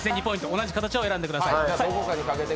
同じ形を選んでください。